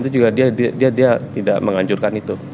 dia juga tidak menghancurkan itu